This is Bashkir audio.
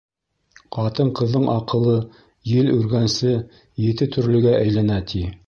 Ҡатын-ҡыҙҙың аҡылы ел өргәнсе ете төрлөгә әйләнә, ти.